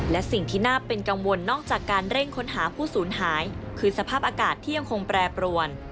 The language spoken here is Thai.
และสิ่งที่น่าเป็นกังวลนอกจากการเร่งค้นหาผู้สูญหายคือสภาพอากาศที่ยังคงแปรปรวน